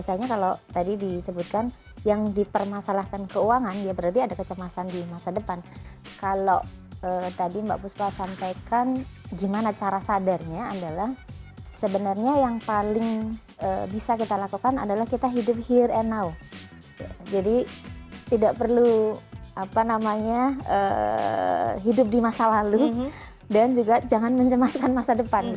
jadi itu tadi disebutkan yang dipermasalahkan keuangan ya berarti ada kecemasan di masa depan kalau tadi mbak puspa sampaikan gimana cara sadarnya adalah sebenarnya yang paling bisa kita lakukan adalah kita hidup here and now jadi tidak perlu apa namanya hidup di masa lalu dan juga jangan mencemaskan masa depan gitu ya